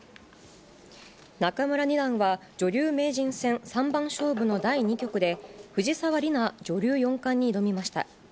仲邑二段は、女流名人戦三番勝負の第２局で藤沢里菜女流四冠に挑みました。